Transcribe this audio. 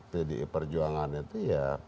pdi perjuangan itu ya